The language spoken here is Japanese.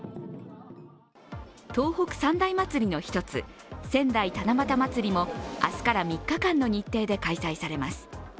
東北三大祭りの１つ仙台七夕まつりも明日から３日間の日程で開催されます。